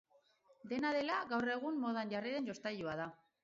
Dena dela, gaur egun modan jarri den jostailua da.